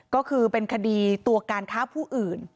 ก็คือเป็นคดีตัวการฆ่าผู้อื่น